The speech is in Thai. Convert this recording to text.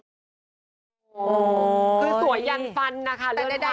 อ๋อคือสวยยันฟันนะคะ